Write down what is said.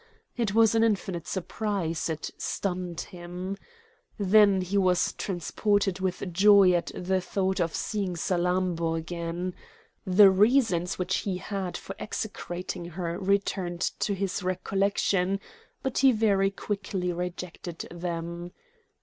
It was an infinite surprise, it stunned him. Then he was transported with joy at the thought of seeing Salammbô again. The reasons which he had for execrating her returned to his recollection, but he very quickly rejected them.